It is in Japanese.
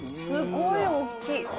すごい大きい。